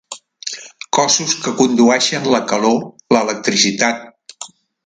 Cossos que condueixen la calor, l'electricitat.